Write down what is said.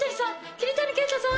桐谷健太さん